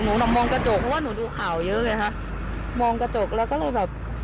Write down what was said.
แบบมองกระจกเพราะว่าหนูดูข่าวเยอะไงฮะมองกระจกแล้วก็เลยแบบ